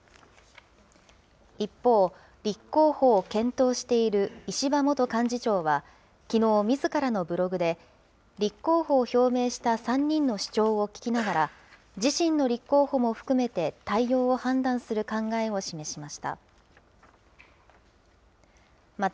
一方、立候補を検討している石破元幹事長は、きのう、みずからのブログで、立候補を表明した３人の主張を聞きながら、自身の立候補も含めて対応を判断する考えを示しました。